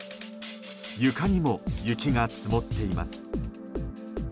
床にも雪が積もっています。